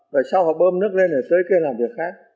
rồi sau họ bơm nước lên để tới kia làm việc khác